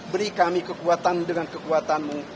beri kami kekuatanmu dengan kekuatanmu